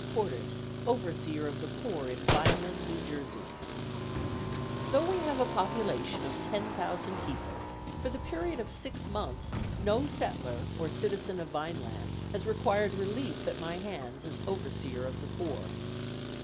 Cortis, Overseer of the Poor in Vineland, New Jersey: Though we have a population of 10,000 people, for the period of six months no settler or citizen of Vineland has required relief at my hands as Overseer of the Poor.